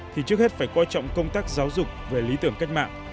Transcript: thì trước hết phải coi trọng công tác giáo dục về lý tưởng cách mạng